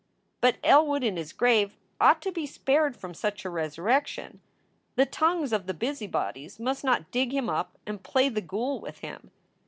But El wood in his grave ought to be spared from such a resurrection. The tongues of the busybodies must not dig him up and play the ghoul with him.